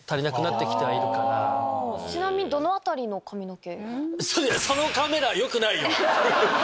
ちなみにどの辺りの髪の毛？